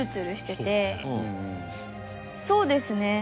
そうですね。